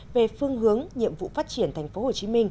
về phương hướng nhiệm vụ phát triển tp hcm